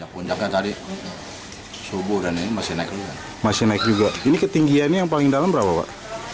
pembingungan dalam berapa pak